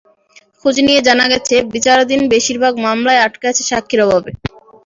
খোঁজ নিয়ে জানা গেছে, বিচারাধীন বেশির ভাগ মামলাই আটকে আছে সাক্ষীর অভাবে।